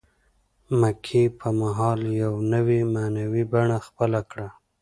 مکې په مهال یوه نوې معنوي بڼه خپله کړه.